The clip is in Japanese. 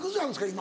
今。